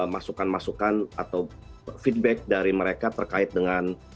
masukan masukan atau feedback dari mereka terkait dengan